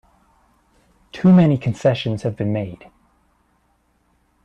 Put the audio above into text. Too many concessions have been made!